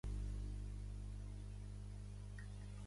Presenta color blanc o és incolor, rarament rosa clar a gris clar.